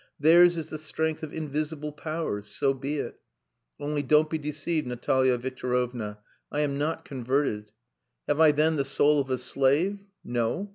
theirs is the strength of invisible powers. So be it. Only don't be deceived, Natalia Victorovna, I am not converted. Have I then the soul of a slave? No!